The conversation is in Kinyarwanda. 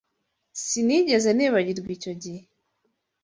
Sinigeze nibagirwa icyo gihe.